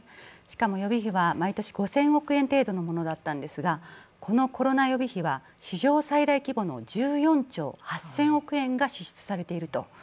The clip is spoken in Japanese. しかも予備費は毎年５０００億円程度のものだったんですがこのコロナ予備費は史上最大規模の１４兆８０００億円が支出されていると。